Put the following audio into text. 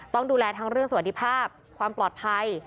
ต้องดูแลทั้งเรื่องสวัสดีภาพความปลอดภัย